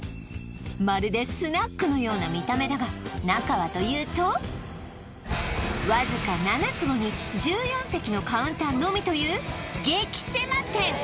まるでスナックのような見た目だが中はというとわずか７坪に１４席のカウンターのみという激狭店！